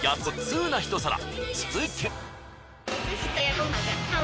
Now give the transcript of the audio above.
続いては。